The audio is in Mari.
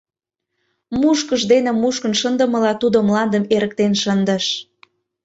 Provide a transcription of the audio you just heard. Мушкыш дене мушкын шындымыла тудо мландым эрыктен шындыш.